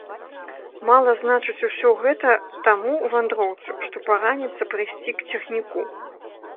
Мала значыць усё гэта таму вандроўцу, што параніцца прыйсці к цягніку.